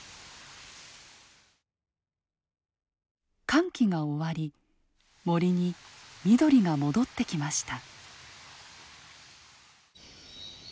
乾季が終わり森に緑が戻ってきました。